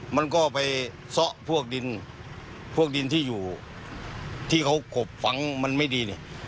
มันก็ไปซะพวกดินที่อยู่ที่เขาขบฝังมันไม่ดี